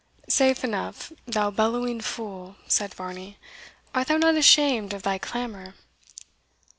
"Safe enough, thou bellowing fool!" said Varney; "art thou not ashamed of thy clamour?"